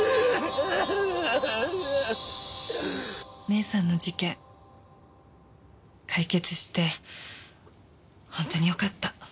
姉さんの事件解決してほんとによかった。